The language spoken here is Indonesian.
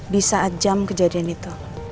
di saat jam kejadian itu